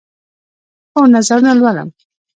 هو، نظرونه لولم